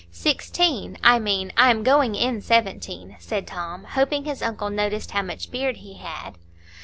"Sixteen; I mean, I am going in seventeen," said Tom, hoping his uncle noticed how much beard he had.